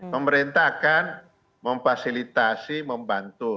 pemerintah akan memfasilitasi membantu